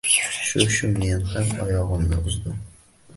Shu-shu men ham oyog`imni uzdim